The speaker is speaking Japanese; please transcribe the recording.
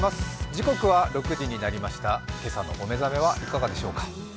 時刻は６時になりました、今朝のお目覚めはいかがでしょうか。